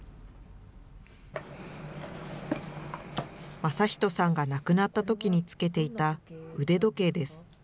正仁さんが亡くなったときにつけていた腕時計です。